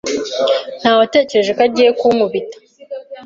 Nawetekereje ko agiye kunkubita.